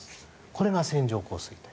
これが線状降水帯。